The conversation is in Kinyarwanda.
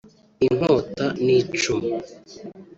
inkota n’icumu